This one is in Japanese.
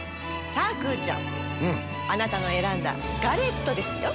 さぁくーちゃんあなたの選んだガレットですよ。